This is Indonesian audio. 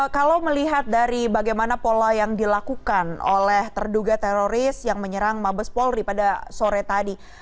kalau melihat dari bagaimana pola yang dilakukan oleh terduga teroris yang menyerang mabes polri pada sore tadi